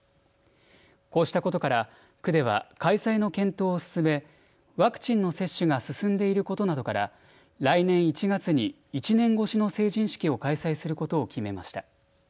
こうしたことから区では開催の検討を進めワクチンの接種が進んでいることなどから来年１月に越しの成人式を開催することを決めました。